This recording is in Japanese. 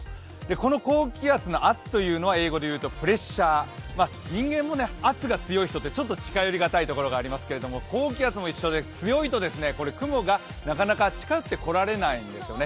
この高気圧の圧というのは、英語で言うとプレッシャー人間も圧が強い人ってちょっと近寄りがたい感じがしますけれども高気圧も一緒で強いと雲がなかなか近寄ってこられないんですよね。